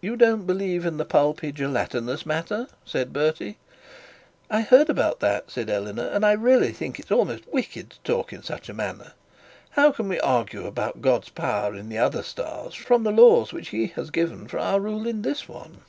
'You don't believe in the pulpy gelatinous matter?' said Bertie. 'I heard about that,' said Eleanor; 'and I really think it's almost wicked to talk in such a manner. How can we argue about God's power in the other stars from the laws which he has given for our role in this one?'